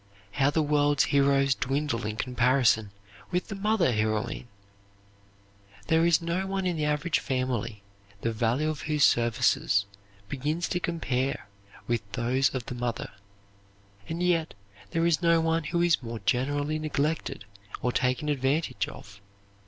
How the world's heroes dwindle in comparison with the mother heroine! There is no one in the average family, the value of whose services begins to compare with those of the mother, and yet there is no one who is more generally neglected or taken advantage of.